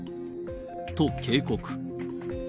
と警告。